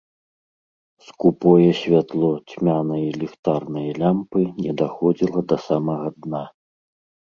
Скупое святло цьмянай ліхтарнай лямпы не даходзіла да самага дна.